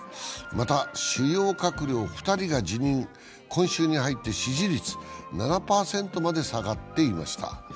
また、主要閣僚２人が辞任、今週に入って支持率は７％まで下がっていました